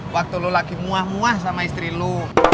waktu lo lagi muah muah sama istri lo